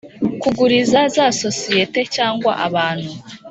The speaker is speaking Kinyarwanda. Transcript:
Kuguriza za sosiyete cyangwa abantu